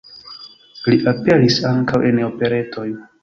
Li aperis ankaŭ en operetoj.